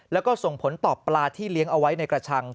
แล้วก็ส่งผลต่อปลาที่เลี้ยงเอาไว้ในกระชัง